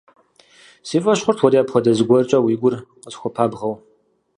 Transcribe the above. Си фӀэщ хъурт уэри апхуэдэ зыгуэркӀэ уи гур къысхуэпабгъэу.